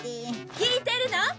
聞いてるの？